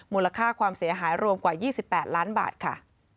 มูลค่าความเสียหายรวมกว่า๒๘ล้านบาทค่ะ